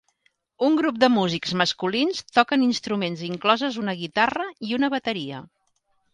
Un grup de músics masculins toquen instruments incloses una guitarra i una bateria.